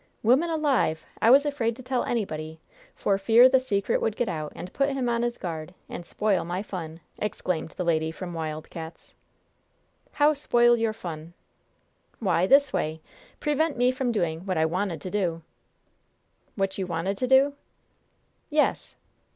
"Woman alive, I was afraid to tell anybody, for fear the secret would get out, and put him on his guard, and spoil my fun!" exclaimed the lady from Wild Cats'. "How spoil your fun?" "Why, this way prevent me from doing what I wanted to do." "What you wanted to do?" "Yes!"